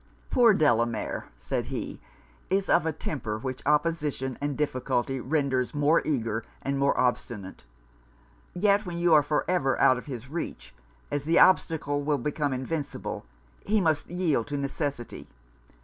'Poor Delamere,' said he, 'is of a temper which opposition and difficulty renders more eager and more obstinate. Yet when you are for ever out of his reach; as the obstacle will become invincible, he must yield to necessity.